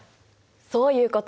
そういうこと！